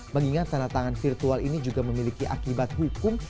mengingat tanda tangan virtual ini juga memiliki akibat hukum